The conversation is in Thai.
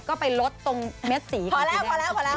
ก็ไปลดตรงเม็ดสีพอแล้ว